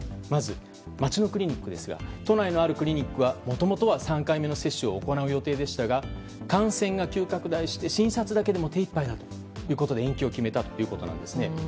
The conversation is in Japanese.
まず町のクリニックですが都内のあるクリニックはもともとは３回目の接種を行う予定でしたが感染が急拡大して診察だけでも手いっぱいで延期を決めたということです。